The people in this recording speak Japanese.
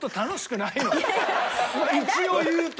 一応言うと。